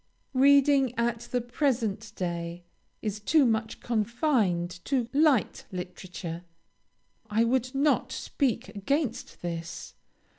Reading, at the present day, is too much confined to light literature. I would not speak against this.